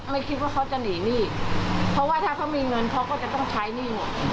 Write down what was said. ไม่คิดว่าเขาจะหนีหนี้เพราะว่าถ้าเขามีเงินเขาก็จะต้องใช้หนี้หมด